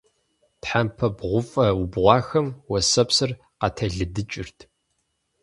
Тхьэмпэ бгъуфӀэ убгъуахэм уэсэпсыр къателыдыкӀырт.